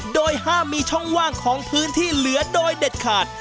โดยห้ามมีช่องว่างของพื้นที่เหลือโดยเด็ดขาด